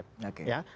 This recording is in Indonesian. lebih dari dua pasang